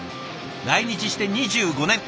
来日して２５年。